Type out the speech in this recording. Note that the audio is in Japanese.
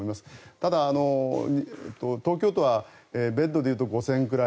ただ、東京都はベッドで言うと５０００ぐらい。